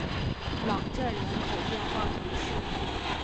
朗镇人口变化图示